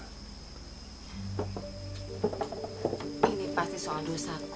ini pasti soal dosaku yang pernah berhubungan dengan sunan kali jogo